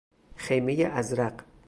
خیمه ازرق